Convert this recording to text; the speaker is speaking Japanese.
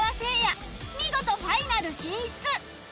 見事ファイナル進出！